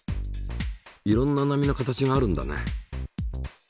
いろんな波の形があるんだね。